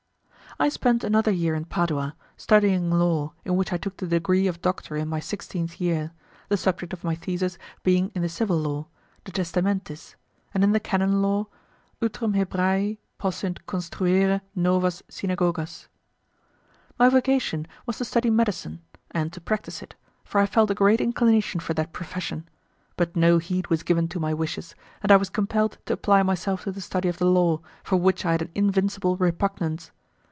I spent another year in Padua, studying law in which I took the degree of Doctor in my sixteenth year, the subject of my thesis being in the civil law, 'de testamentis', and in the canon law, 'utrum Hebraei possint construere novas synagogas'. My vocation was to study medicine, and to practice it, for I felt a great inclination for that profession, but no heed was given to my wishes, and I was compelled to apply myself to the study of the law, for which I had an invincible repugnance.